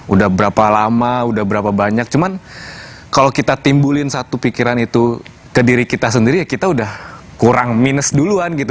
udah berapa lama udah berapa banyak cuman kalau kita timbulin satu pikiran itu ke diri kita sendiri ya kita udah kurang minus duluan gitu